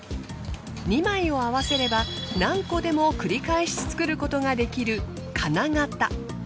２枚を合わせれば何個でも繰り返し作ることができる金型。